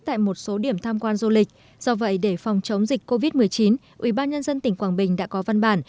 tại một số điểm tham quan du lịch do vậy để phòng chống dịch covid một mươi chín ubnd tỉnh quảng bình đã có văn bản